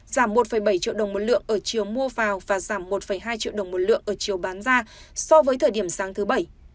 giảm một bảy triệu đồng một lượng ở chiều mua vào và giảm một hai triệu đồng một lượng ở chiều bán ra so với thời điểm sáng thứ bảy